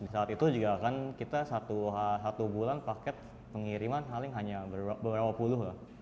di saat itu juga kan kita satu bulan paket pengiriman paling hanya beberapa puluh lah